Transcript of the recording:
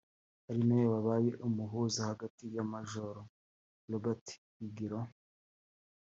ari nawe wabaye umuhuza hagati ya Major Robert Higiro